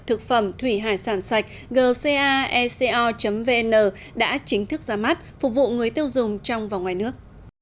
thực phẩm thủy hải sản sạch gcaecr vn đã chính thức ra mắt phục vụ người tiêu dùng trong và ngoài nước